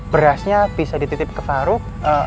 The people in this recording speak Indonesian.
berasnya bisa dititip ke paru